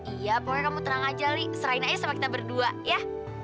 iya pokoknya kamu tenang aja nih serain aja sama kita berdua ya